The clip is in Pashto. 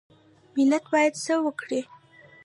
ملت باید څه وکړي؟